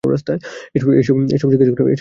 এসব জিজ্ঞেস করেছি তোমাকে?